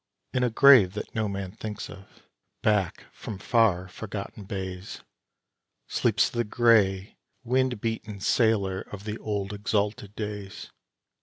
In a grave that no man thinks of back from far forgotten bays Sleeps the grey, wind beaten sailor of the old exalted days.